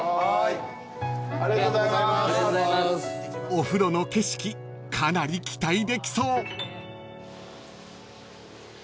［お風呂の景色かなり期待できそう］